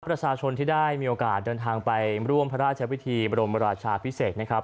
ประชาชนที่ได้มีโอกาสเดินทางไปร่วมพระราชพิธีบรมราชาพิเศษนะครับ